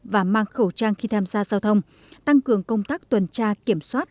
và mang khẩu trang khi tham gia giao thông tăng cường công tác tuần tra kiểm soát